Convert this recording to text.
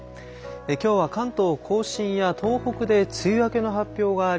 今日は関東甲信や東北で梅雨明けの発表があり。